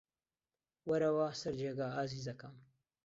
وەرەوە سەر جێگا، ئازیزەکەم.